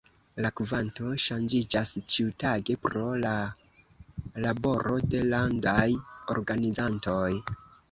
La kvanto ŝanĝiĝas ĉiutage pro la laboro de landaj organizantoj.